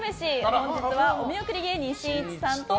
本日はお見送り芸人しんいちさん